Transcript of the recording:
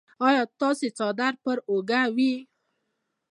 ایا ستاسو څادر به پر اوږه وي؟